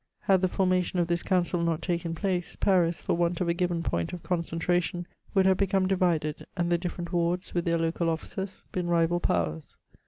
Had the formation of this coimcil not taken place, Paris, for want of a given point of concentration, would have become divided, and the different wards, with their local officers, been rival powers.